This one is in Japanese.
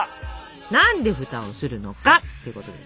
何で蓋をするのかってことです。